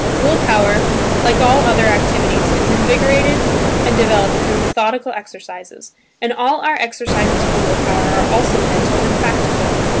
Will power, like all other activities is invigorated and developed through methodical exercises, and all our exercises for will power are also mental and practical.